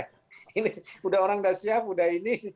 ini sudah orang sudah siap sudah ini